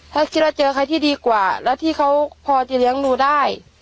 ถ้าคิดว่าเจอใครที่ดีกว่าแล้วที่เขาพอจะเลี้ยงหนูได้